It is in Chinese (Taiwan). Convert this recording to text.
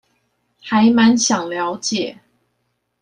還滿想了解